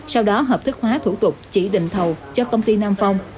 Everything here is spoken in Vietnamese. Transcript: sau đó hợp thức hóa thủ tục chỉ định thầu cho công ty nam phong